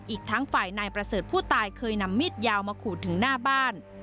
อีกทั้งฝ่ายนายประเสริฐผู้ตายเคยนำมีดยาวมาขูดถึงหน้าบ้าน